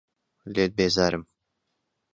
لێت بێزارم.